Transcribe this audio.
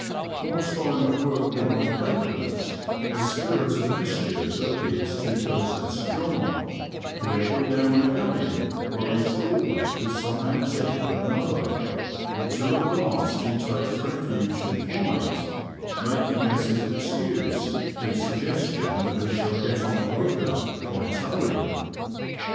Whilst I am at work with my papers a spirit of mischief appears to possess John, who every now and again worries George with some antic or another, until at last he takes refuge in flight, making as his excuse the suggestion that we «hall get on quicker by towing.